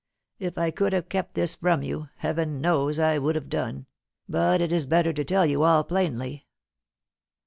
If I could have kept this from you, Heaven knows I would have done, but it is better to tell you all plainly."